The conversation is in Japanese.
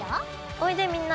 おいでみんな！